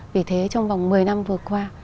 vì thế trong vòng một mươi năm vừa qua